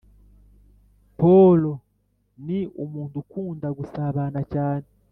poul ni umuntu ukunda gusabanacyane